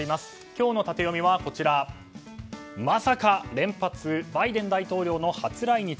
今日のタテヨミは、まさか連発バイデン大統領の初来日。